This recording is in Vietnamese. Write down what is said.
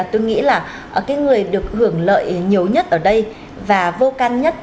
tôi nghĩ là cái người được hưởng lợi nhiều nhất ở đây và vô can nhất